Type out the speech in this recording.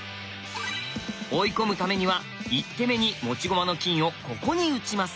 追い込むためには１手目に持ち駒の金をここに打ちます。